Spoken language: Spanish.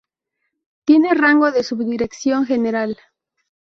Tiene rango de subdirección general.